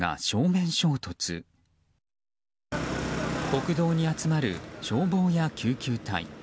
国道に集まる消防や救急隊。